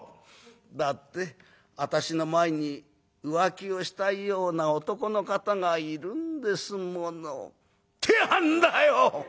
『だって私の前に浮気をしたいような男の方がいるんですもの』ってやんだよ！」。